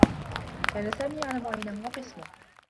كان سامي يعلم أين هو قسمه.